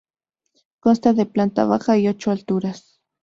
Consta de planta baja y ocho alturas.